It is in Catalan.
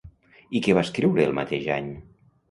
I què va escriure el mateix any?